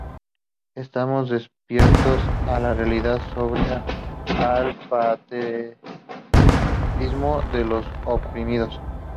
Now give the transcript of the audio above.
Estamos despiertos a la realidad sombría, al patetismo de los oprimidos.